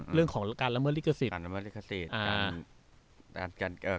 เรื่องของการละเมิดลิขสิทธิ์